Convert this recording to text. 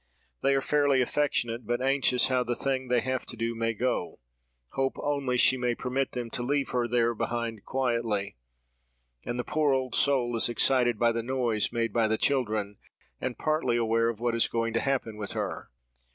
They are fairly affectionate, but anxious how the thing they have to do may go—hope only she may permit them to leave her there behind quietly. And the poor old soul is excited by the noise made by the children, and partly aware of what is going to happen with her.